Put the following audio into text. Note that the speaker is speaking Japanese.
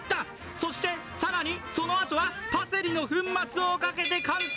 そしてさらにそのあとはパセリの粉末をかけて完成。